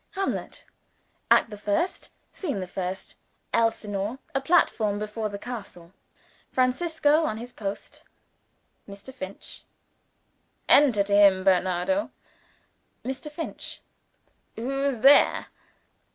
"Hamlet: Act the First; Scene the First. Elsinore. A Platform before the Castle. Francisco on his post" (Mr. Finch). "Enter to him Bernardo" (Mr. Finch). "Who's there?"